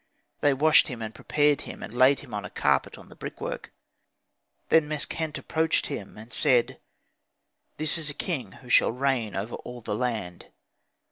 They washed him, and prepared him, and layed him on a carpet on the brickwork. Then Meskhent approached him and said, "This is a king who shall reign over all the land."